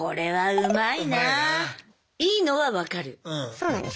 そうなんです。